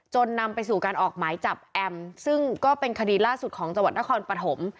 นำไปสู่การออกหมายจับแอมซึ่งก็เป็นคดีล่าสุดของจังหวัดนครปฐม